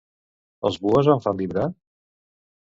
Els Buhos em fan vibrar?